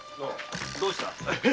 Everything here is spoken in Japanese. どうした？